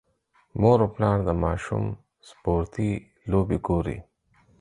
مور او پلار د ماشوم سپورتي لوبې ګوري.